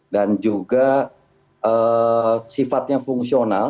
dan juga sifatnya fungsional